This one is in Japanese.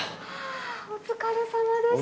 お疲れさまでした。